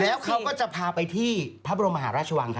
แล้วเขาก็จะพาไปที่พระบรมหาราชวัง